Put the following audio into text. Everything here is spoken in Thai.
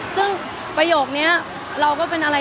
ซึ่งประโยคนี้เราก็เป็นอะไร